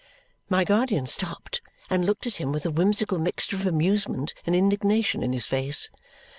My guardian stopped and looked at him with a whimsical mixture of amusement and indignation in his face.